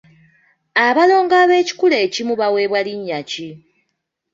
Abalongo ab’ekikula ekimu baweebwa linnya ki?